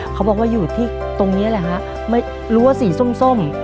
เขาบอกว่าอยู่ที่ตรงเนี้ยแหละฮะรัวสีส้ม